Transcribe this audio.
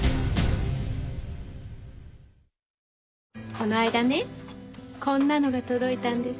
この間ねこんなのが届いたんです。